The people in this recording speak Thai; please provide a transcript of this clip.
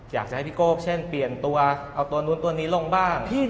อยากจะให้พริกโนไปเอ้หนุนตัวนี้ลงบ้าง